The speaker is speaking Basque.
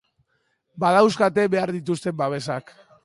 Badauzkate behar dituzten babesak.